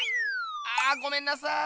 あごめんなさい。